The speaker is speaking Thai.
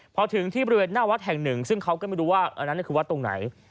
พอถึงที่บริเวณหน้าวัดแห่งหนึ่งซึ่งเขาก็ไม่รู้ว่าอันนั้นคือวัดตรงไหน